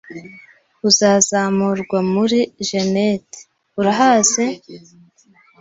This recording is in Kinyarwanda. Uzazamurwa muri genet?urahazi?